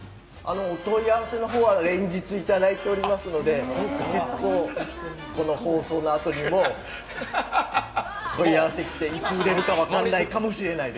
お問い合わせの方は連日いただいておりますので、結構この放送のあとにも問い合わせ来ていつ売れるか分かんないかもしれないです。